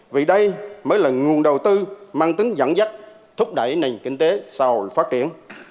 vì đây mới là nguồn đầu tư mang tính dẫn dắt thúc đẩy nền kinh tế